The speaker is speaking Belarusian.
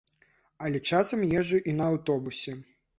Але часам езджу і на аўтобусе.